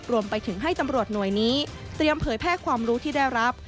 รวมไปถึงให้ตำรวจหน่วยนี้เตรียมเผยแพร่ความรู้ที่ได้รับ